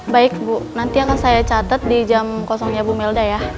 baik bu nanti akan saya catat di jam kosongnya bu melda ya